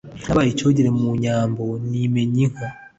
nabaye icyogere mu nyambo nimanye inka